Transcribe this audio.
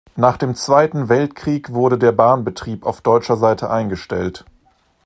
Nach dem Zweiten Weltkrieg wurde der Bahnbetrieb auf deutscher Seite eingestellt.